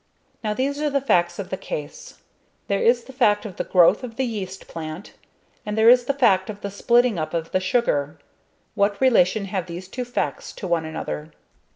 Now these are the facts of the case. There is the fact of the growth of the yeast plant; and there is the fact of the splitting up of the sugar. What relation have these two facts to one another?